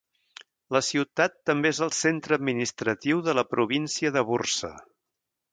La ciutat també és el centre administratiu de la província de Bursa.